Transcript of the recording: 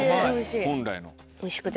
本来の。